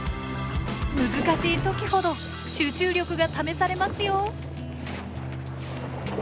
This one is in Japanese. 難しい時ほど集中力が試されますよ。